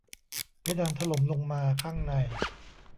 เพดานถล่มลงมาข้างใน